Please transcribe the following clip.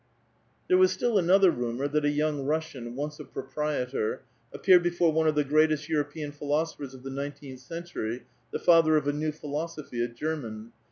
There was still another rumor, that a young Russian, once a proprietor,^ appeared before one of the greatest European philosophers of the nineteenth century, the father of a new philosophy, a German.